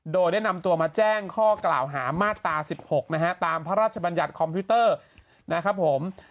โดยได้นำตัวมาแจ้งข้อกล่าวหามาตรา๑๖นะฮะตามพระราชบัญญัติคอมพิวเตอร์นะครับผม